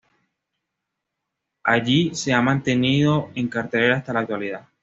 Allí se ha mantenido en cartelera hasta la actualidad.